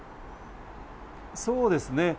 そうですね。